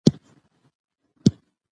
دا زموږ د بدن یوه برخه ده.